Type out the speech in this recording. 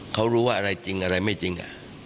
เขารู้ว่าอะไรจริงอะไรไม่จริง